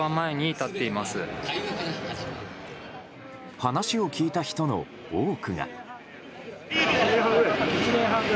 話を聞いた人の多くが。